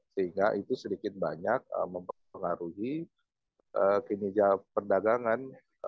sehingga itu sedikit banyak mempengaruhi kinerja perdagangan